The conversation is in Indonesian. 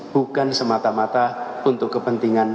bukan semata mata untuk kepentingan